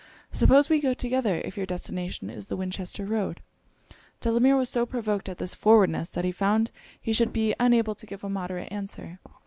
Suppose we go together, if your destination is the Winchester road?' Delamere was so provoked at this forwardness, that he found he should be unable to give a moderate answer.